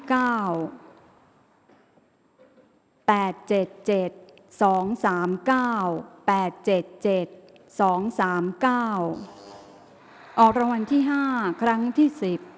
ออกรางวัลที่๕ครั้งที่๑๐